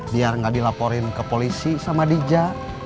biar nggak dilaporin ke polisi sama di ja